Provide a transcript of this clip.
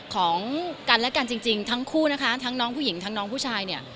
ของกันและกันจริงทั้งคู่นะคะทั้งน้องผู้หญิงทั้งน้องผู้ชายเนี่ย